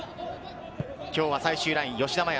今日は最終ライン吉田麻也。